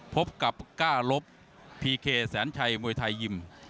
พบกับก้าลบพีเคแสนชัยมวยไทยยิม